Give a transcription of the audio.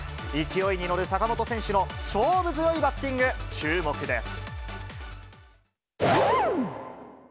勢いに乗る坂本選手の勝負強いバッティング、注目です。